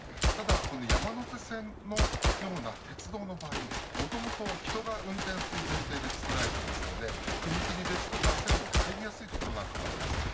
ただ山手線のような鉄道の場合もともと人が運転する前提で作られていますので踏み切りや線路に入りやすいところもあります。